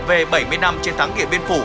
về bảy mươi năm chiến thắng điện biên phủ